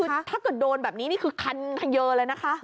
คือถ้าเกิดโดนแบบนี้นี่คือคันเขยอเลยนะคะ